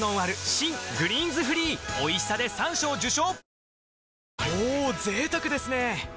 新「グリーンズフリー」おいしさで３賞受賞！